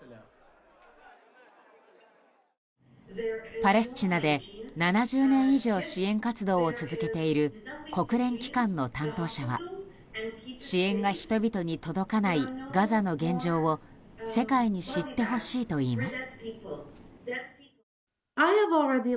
パレスチナで７０年以上支援活動を続けている国連機関の担当者は支援が人々に届かないガザの現状を世界に知ってほしいといいます。